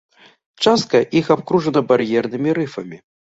Частка іх абкружана бар'ернымі рыфамі.